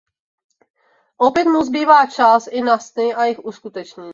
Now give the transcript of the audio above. Opět mu zbývá čas i na sny a jejich uskutečnění.